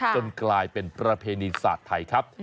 จนกลายเป็นประเพณีศาสตร์ไทยครับ